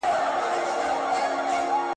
د ډله ییزې خوښۍ خوند بل وي.